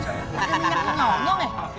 ada minyak penolong ya